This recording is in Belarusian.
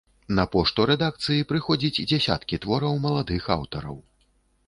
На пошту рэдакцыі прыходзіць дзясяткі твораў маладых аўтараў.